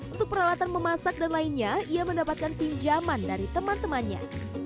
untuk peralatan memasak dan lainnya ia mendapatkan pinjaman dari teman temannya